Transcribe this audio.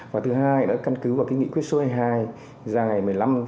và thứ hai là căn cứ vào nghị quyết số hai mươi hai ra ngày một mươi năm